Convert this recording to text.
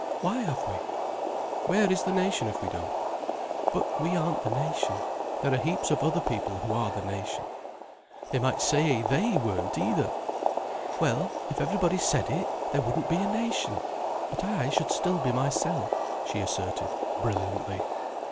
"Why have we?" "Where is the nation if we don't?" "But we aren't the nation. There are heaps of other people who are the nation." "They might say they weren't either." "Well, if everybody said it, there wouldn't be a nation. But I should still be myself," she asserted brilliantly.